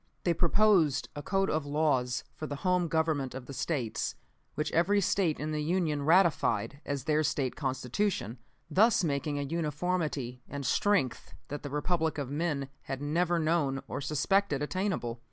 "They proposed a code of laws for the home government of the States, which every State in the Union ratified as their State Constitution, thus making a uniformity and strength that the Republic of men had never known or suspected attainable.